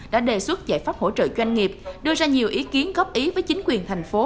đã đề xuất giải pháp hỗ trợ doanh nghiệp đưa ra nhiều ý kiến góp ý với chính quyền thành phố